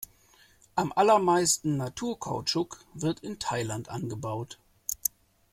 Am allermeisten Naturkautschuk wird in Thailand angebaut.